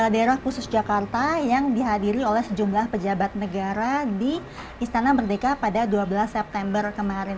daerah khusus jakarta yang dihadiri oleh sejumlah pejabat negara di istana merdeka pada dua belas september kemarin